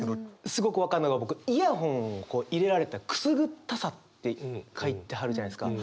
すごく分かるのが僕イヤホン入れられたくすぐったさって書いてはるじゃないですか。